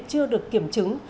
chưa được kiểm chứng